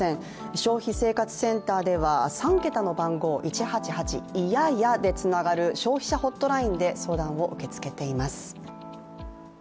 消費生活センターでは３桁の番号、１８８でつながる消費者ホットラインで相談を受け付けています。